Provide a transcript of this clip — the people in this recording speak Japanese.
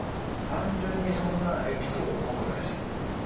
単純にそんなエピソード濃くないし。